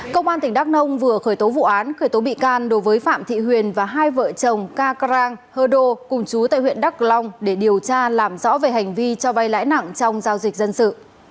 công an tỉnh đắk nông vừa khởi tố vụ án khởi tố bị can đối với phạm thị huyền và hai vợ chồng krang hơ đô cùng chú tại huyện đắk long để điều tra làm rõ về hành vi cho vay lãi nặng trong giao dịch dân sự